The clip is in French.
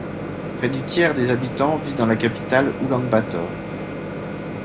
Près du tiers des habitants vit dans la capitale Oulan-Bator.